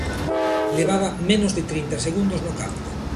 Levaba menos de trinta segundos no campo.